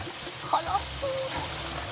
「辛そう」